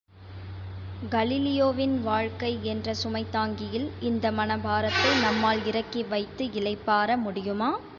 கலீலியோவின் வாழ்க்கை என்ற சுமைதாங்கியில் இந்த மன பாரத்தை நம்மால் இறக்கிவைத்து இளைப்பாற முடியுமா?